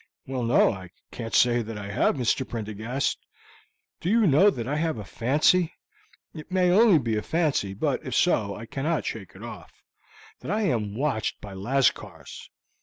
"Well, no, I can't say that I have, Mr. Prendergast. Do you know that I have a fancy it may only be a fancy, but if so, I cannot shake it off that I am watched by Lascars.